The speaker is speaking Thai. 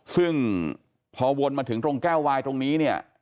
ซึ่งพอวนมาถึงตรงแก้ววายตรงนี้เนี่ย